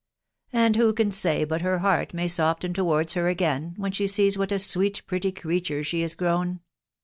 and who can say but her heart Fnuty soften towards her again, when she sees what a sweet pretty creature she is grown